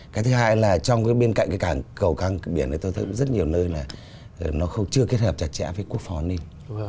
cái thứ hai là trong bên cạnh cái cảng cầu căng biển này tôi thấy rất nhiều nơi là nó chưa kết hợp chặt chẽ với quốc phó nên